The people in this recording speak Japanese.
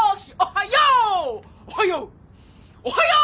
おはよう。